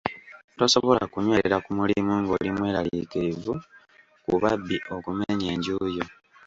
Tosobola kunywerera ku mulimu ng'oli mweraliikirivu ku babbi okumenya enju yo.